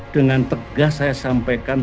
dengan tegas saya sampaikan